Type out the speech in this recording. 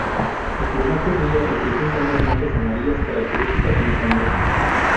El plumaje es negro y presenta unas manchas amarillas características en los hombros.